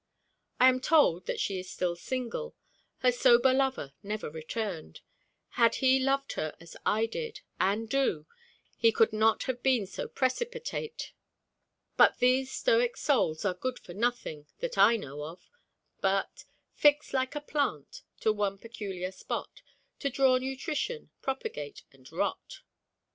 I am told that she is still single. Her sober lover never returned. Had he loved as I did, and do, he could not have been so precipitate. But these stoic souls are good for nothing, that I know of, but, "Fixed, like a plant, to one peculiar spot, To draw nutrition, propagate, and rot."